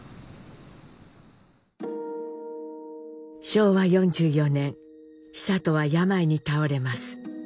昭和４４年久渡は病に倒れます。